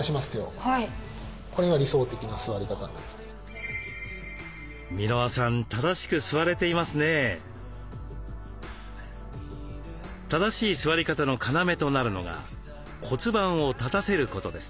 正しい座り方の要となるのが骨盤を立たせることです。